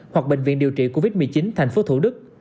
hoặc bệnh viện điều trị covid một mươi chín tp thủ đức